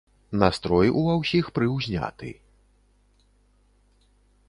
Настрой ува ўсіх прыўзняты.